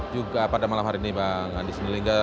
juga pada malam hari ini bang andi sinulinga